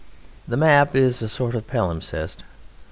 The map is a sort of palimpsest.